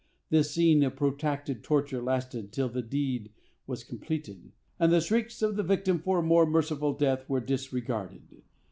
This scene of protracted torture lasted till the deed was completed, and the shrieks of the victim for a more merciful death were disregarded.